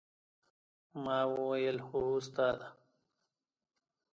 ما وويل هو استاده.